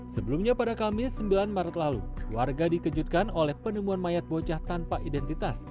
sebelumnya pada kamis sembilan maret lalu warga dikejutkan oleh penemuan mayat bocah tanpa identitas